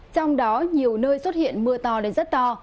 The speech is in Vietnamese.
trong đó nhiều nơi xuất hiện mưa to đến rất to